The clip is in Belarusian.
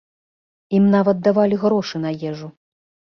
Ім нават давалі грошы на ежу.